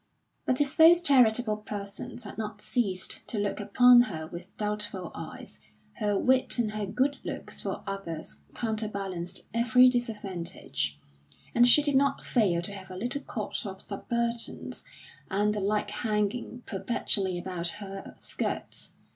But if those charitable persons had not ceased to look upon her with doubtful eyes, her wit and her good looks for others counterbalanced every disadvantage; and she did not fail to have a little court of subalterns and the like hanging perpetually about her skirts.